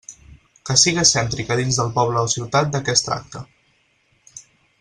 Que siga cèntrica dins del poble o ciutat de què es tracte.